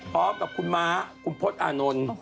พร้อมกับคุณม้าคุณพศอานนท์